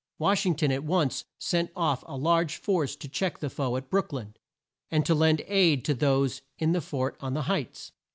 Wash ing ton at once sent off a large force to check the foe at Brook lyn, and to lend aid to those in the fort on the Heights.